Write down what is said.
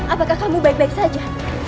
apakah kamu baik baik saja